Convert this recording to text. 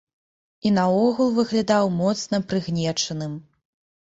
І наогул выглядаў моцна прыгнечаным.